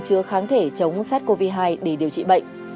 chứa kháng thể chống sát covid hai để điều trị bệnh